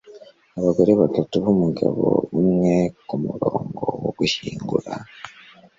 Abagore batatu bumugabo umwe kumurongo wo gushyingura